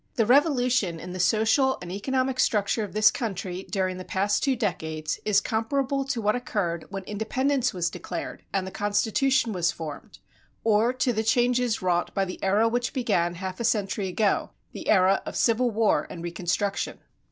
The revolution in the social and economic structure of this country during the past two decades is comparable to what occurred when independence was declared and the constitution was formed, or to the changes wrought by the era which began half a century ago, the era of Civil War and Reconstruction.